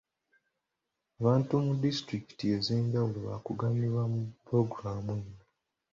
Abantu mu disitulikiti ez'enjawulo baakuganyulwa mu pulogulaamu eno.